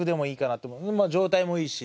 まあ状態もいいし。